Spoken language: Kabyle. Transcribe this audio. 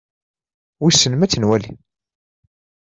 Wissen ma ad tt-nwali?